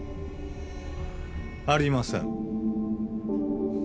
ありません